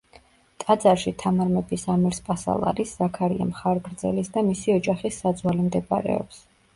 ტაძარში თამარ მეფის ამირსპასალარის, ზაქარია მხარგრძელის და მისი ოჯახის საძვალე მდებარეობს.